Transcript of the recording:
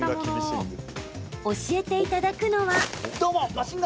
教えていただくのは。